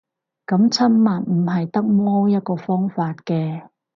噉親密唔係得摸一個方法嘅